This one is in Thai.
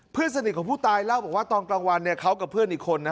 เพื่อนสนิทของผู้ตายเล่าบอกว่าตอนกลางวันเขากับเพื่อนอีกคนนะ